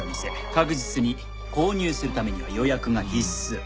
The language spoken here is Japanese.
確実に購入するためには予約が必須。